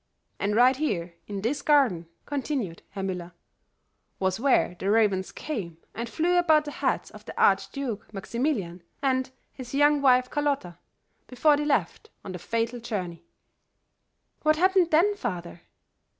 And right here, in this garden," continued Herr Müller, "was where the ravens came and flew about the heads of the Archduke Maximilian and his young wife Carlota before they left on that fatal journey." "What happened then, father?"